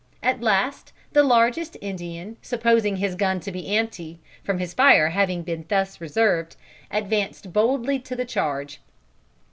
At last the largest Indian, supposing his gun to be empty, from his fire having been thus reserved, advanced boldly to the charge.